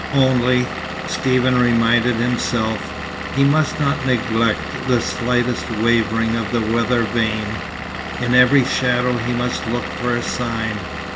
Only, Stephen reminded himself, he must not neglect the slightest wavering of the weather vane. And in every shadow he must look for a sign.